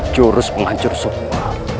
jurus melancar semua